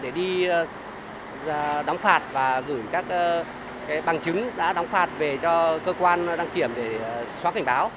để đi đóng phạt và gửi các bằng chứng đã đóng phạt về cho cơ quan đăng kiểm để xóa cảnh báo